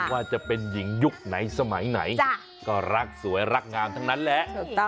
ว่าจะเป็นหญิงยุคไหนสมัยไหนก็รักสวยรักงามทั้งนั้นแหละ